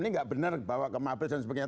ini nggak benar bawa ke mabes dan sebagainya